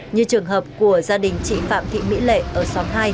như trường hợp của gia đình chị phạm thị mỹ lệ ở xóm hai